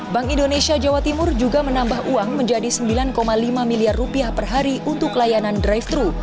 bank indonesia jawa timur juga menambah uang menjadi sembilan lima miliar rupiah per hari untuk layanan drive thru